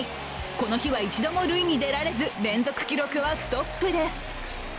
この日は一度も塁に出られず連続記録はストップです。